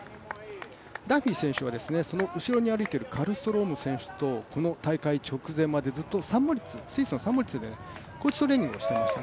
ダンフィー選手はカナダのカルストローム選手とこの大会直前までスイスのサンモリッツで高地トレーニングをしていました。